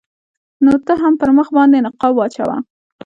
نو ته هم پر مخ باندې نقاب واچوه.